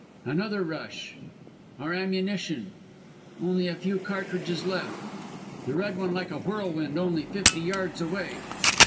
"Another rush "Our ammunition "Only a few cartridges left. "The Red One like a whirlwind only fifty yards away.